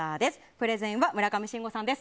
プレゼンは村上信五さんです。